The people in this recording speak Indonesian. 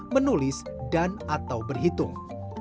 menulis dan atau berhitung